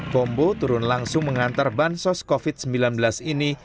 kombo turun langsung mengantar bansos covid sembilan belas ini